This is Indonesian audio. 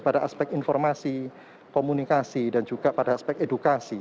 pada aspek informasi komunikasi dan juga pada aspek edukasi